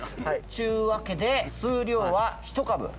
ちゅうわけで数量は１株。